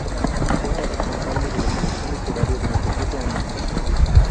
Fue el responsable de la sección literaria durante siete años.